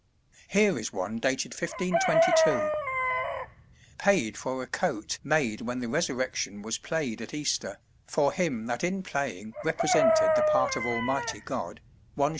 Here is one dated 1522: "Paid for a coate made when the Resurrection was played at Easter, for him that in playing represented the part of Almighty God, 1s.